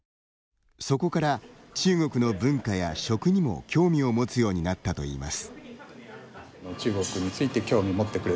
そこから中国の文化や食にも興味を持つようになったといいます。